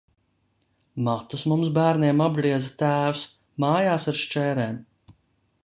Matus mums bērniem apgrieza tēvs mājās ar šķērēm.